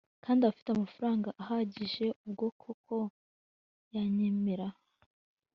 kandi bafite amafaranga ahagije ubwo koko yanyemera